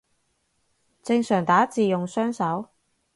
正常打字用雙手